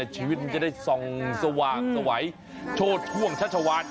ชีวิตมันจะส่องสว่างสวัยโฆษธวงชัดชวาง